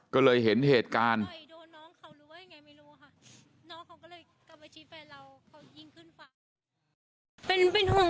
ก็เลยเห็นเหตุการณ์